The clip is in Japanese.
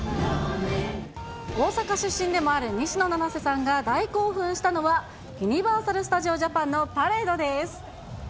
大阪出身でもある西野七瀬さんが大興奮したのは、ユニバーサル・スタジオ・ジャパンのパレードです。